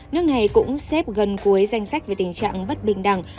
nước này cũng xếp gần cuối danh sách về tình trạng bất bình đẳng